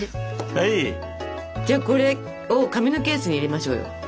じゃあこれを紙のケースに入れましょうよ。